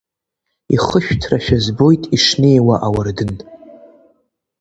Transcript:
Ихышәҭрашәа збоит ишнеиуа ауардын.